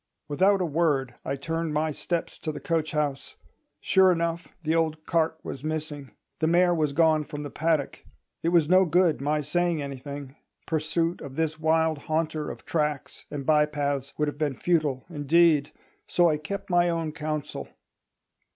Without a word I turned my steps to the coach house. Sure enough, the old cart was missing; the mare was gone from the paddock. It was no good my saying anything; pursuit of this wild haunter of tracks and by paths would have been futile indeed. So I kept my own counsel.